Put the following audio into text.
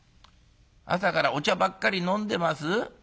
朝からお茶ばっかり飲んでます？